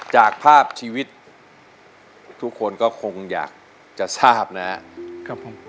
จากภาพชีวิตทุกคนก็คงอยากจะทราบนะครับ